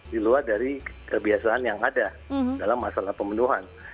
di luar dari kebiasaan yang ada dalam masalah pemenuhan